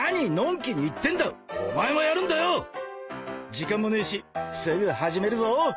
時間もねえしすぐ始めるぞ。